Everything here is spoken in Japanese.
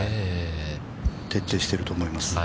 ◆徹底してると思います。